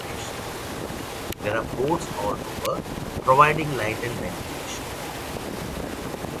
There are ports all around, providing light and ventilation.